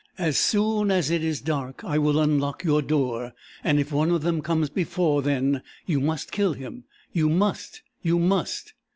As soon as it is dark I will unlock your door. And if one of them comes before then, you must kill him! You must! You must!"